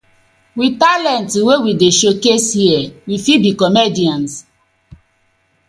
With talent wey we dey show case here we fit be comedians.